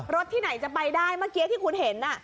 ที่ไหนจะไปได้เมื่อกี้ที่คุณเห็น